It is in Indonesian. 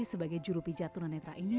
sebagai juru pijat tuna netra ini